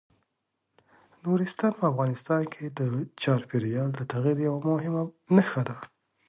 نورستان په افغانستان کې د چاپېریال د تغیر یوه مهمه نښه ده.